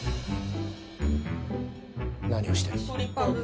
何をしている？